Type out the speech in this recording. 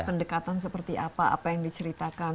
pendekatan seperti apa apa yang diceritakan